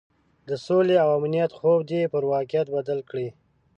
د سولې او امنیت خوب دې پر واقعیت بدل کړي.